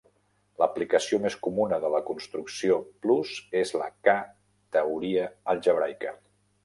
L'aplicació més comuna de la construcció plus és a la K-teoria algebraica.